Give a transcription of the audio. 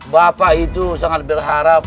bapak itu sangat berharap